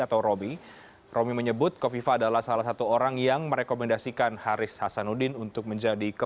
sampai jumpa di olhosurnya pak maria dititi